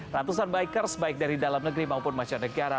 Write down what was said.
ratusan bikers baik dari dalam negeri maupun masyarakat negara